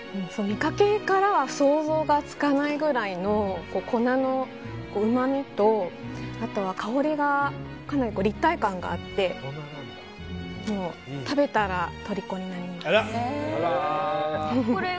見かけからは想像がつかないぐらいの粉のうまみとあと香りがかなり立体感があって食べたら、とりこになります。